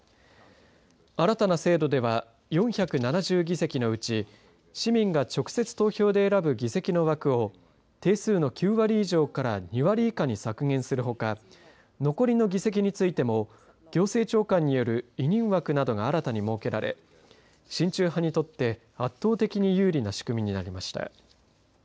新たな制度では４７０議席のうち市民が直接投票で選ぶ議席の枠を定数の９割以上から２割以下に削減するほか残りの議席についても行政長官による委任枠などが新たに設けられ親中派にとって圧倒的に有利な仕組みになりました。